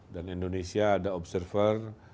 dan indonesia ada observer